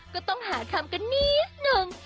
ก็ต้องหาคำกันนิดนึง